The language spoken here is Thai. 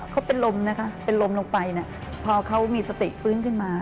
เขาเป็นนมลงไปพอเขามีสติปืนขึ้นมา